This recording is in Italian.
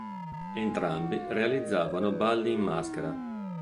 Entrambi realizzavano balli in maschera.